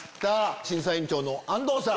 審査員長の安藤さん。